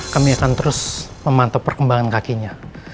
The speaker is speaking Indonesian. kami akan terus memantau perkembangan kakinya